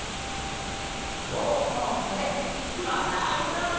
そうそうこれまないた！